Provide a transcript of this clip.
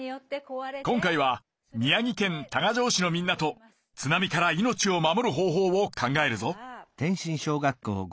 今回は宮城県多賀城市のみんなと津波から命を守る方法を考えるぞ。